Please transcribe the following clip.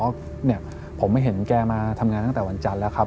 เพราะเนี่ยผมเห็นแกมาทำงานตั้งแต่วันจันทร์แล้วครับ